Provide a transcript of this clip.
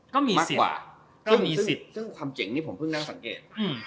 มากกว่าก็มีสิทธิ์ซึ่งความเจ๋งนี่ผมเพิ่งนั่งสังเกต